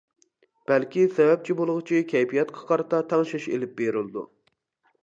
بەلكى سەۋەبچى بولغۇچى كەيپىياتقا قارىتا تەڭشەش ئېلىپ بېرىلىدۇ.